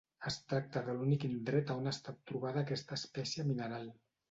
Es tracta de l'únic indret a on ha estat trobada aquesta espècie mineral.